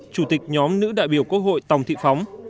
chủ tịch nhóm nữ đại biểu quốc hội tòng thị phóng